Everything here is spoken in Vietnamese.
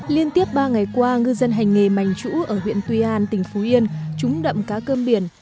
liên tiếp ba ngày qua ngư dân hành nghề mạnh trũ ở huyện tuy an tỉnh phú yên trúng đậm cá cơm biển